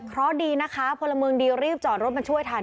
เพราะดีนะคะพลเมืองดีรีบจอดรถมาช่วยทัน